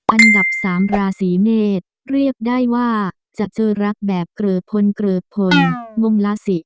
อันดับ๓ราศีเมษเรียกได้ว่าจะเจอรักแบบเกรอพลเกรอพลวงลาศิ